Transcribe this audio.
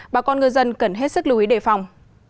bà con ngư dân cần hết sức lưu ý đề phòng